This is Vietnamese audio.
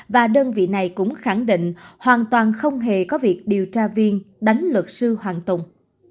và đơn vị này cũng khẳng định hoàn toàn không hề có việc điều tra viên đánh luật sư hoàng tùng